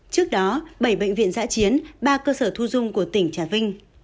trước đó bảy bệnh viện giã chiến ba cơ sở thu dung của tỉnh trà vinh